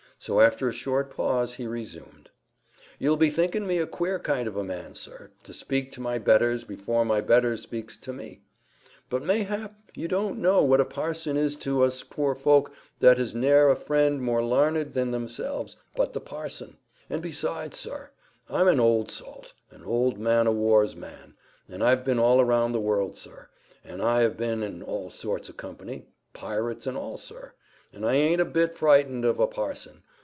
So after a short pause, he resumed— "You'll be thinking me a queer kind of a man, sir, to speak to my betters before my betters speaks to me. But mayhap you don't know what a parson is to us poor folk that has ne'er a friend more larned than theirselves but the parson. And besides, sir, I'm an old salt,—an old man o' war's man,—and I've been all round the world, sir; and I ha' been in all sorts o' company, pirates and all, sir; and I aint a bit frightened of a parson.